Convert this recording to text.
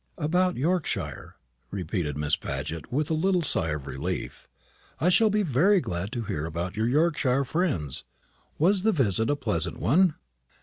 "About Yorkshire!" repeated Miss Paget, with a little sigh of relief. "I shall be very glad to hear about your Yorkshire friends. Was the visit a pleasant one?"